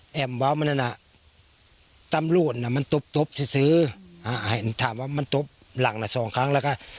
แอ๋มว้าวมันน่ะน่ะตำรวจน่ะมันตุ๊บตุ๊บที่ซื้ออ่าเห็นถามว่ามันตุ๊บหลังน่ะสองครั้งแล้วก็